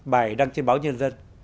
bài đăng trên báo nhân dân